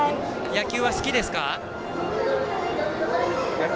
野球は好きです。